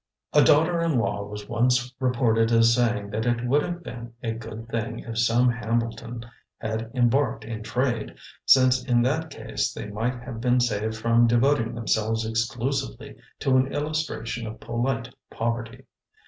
A daughter in law was once reported as saying that it would have been a good thing if some Hambleton had embarked in trade, since in that case they might have been saved from devoting themselves exclusively to an illustration of polite poverty.